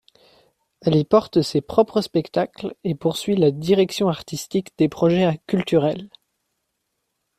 Elle y porte ses propres spectacles et poursuit la direction artistique des projets culturels.